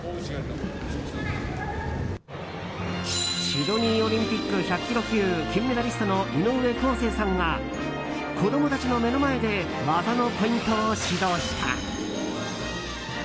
シドニーオリンピック１００ｋｇ級金メダリストの井上康生さんが子供たちの目の前で技のポイントを指導した。